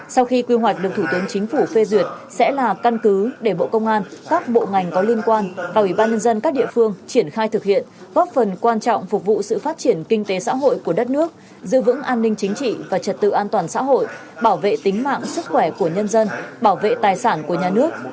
sau khi quy hoạch được thủ tướng chính phủ phê duyệt sẽ là căn cứ để bộ công an các bộ ngành có liên quan và ủy ban nhân dân các địa phương triển khai thực hiện góp phần quan trọng phục vụ sự phát triển kinh tế xã hội của đất nước giữ vững an ninh chính trị và trật tự an toàn xã hội bảo vệ tính mạng sức khỏe của nhân dân bảo vệ tài sản của nhà nước